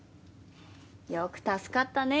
よく助かったね